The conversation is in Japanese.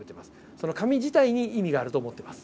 その紙自体に意味があると思ってます。